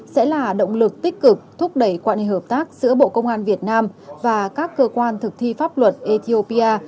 sẽ là động lực tích cực thúc đẩy quan hệ hợp tác giữa bộ công an việt nam và các cơ quan thực thi pháp luật ethiopia